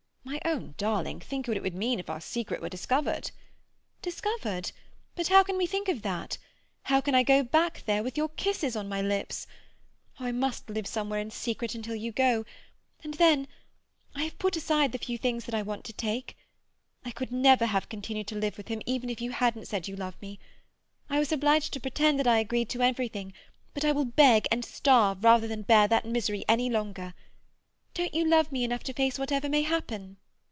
"My own darling, think what it would mean if our secret were discovered—" "Discovered? But how can we think of that? How can I go back there, with your kisses on my lips? Oh, I must live somewhere in secret until you go, and then—I have put aside the few things that I want to take. I could never have continued to live with him even if you hadn't said you love me. I was obliged to pretend that I agreed to everything, but I will beg and starve rather than bear that misery any longer. Don't you love me enough to face whatever may happen?"